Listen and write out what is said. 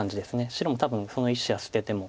白も多分その１子は捨てても。